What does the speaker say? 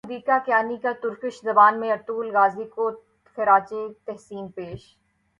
حدیقہ کیانی کا ترکش زبان میں ارطغرل غازی کو خراج تحسین پیش